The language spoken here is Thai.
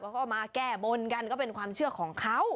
เขาก็มาแก้บนกันก็เป็นความเชื่อของเขา